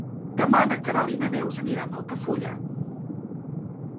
Demà na Queralt i na Neus aniran a Altafulla.